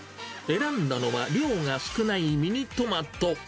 選んだのは量が少ないミニトマト。